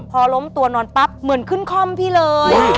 พอล้มตัวนอนปั๊บเหมือนขึ้นคล่อมพี่เลย